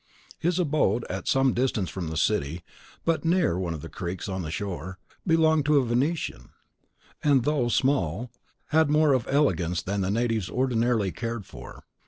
His abode, at some distance from the city, but near one of the creeks on the shore, belonged to a Venetian, and, though small, had more of elegance than the natives ordinarily cared for.